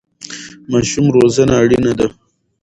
ماشوم روزنه اړینه ده.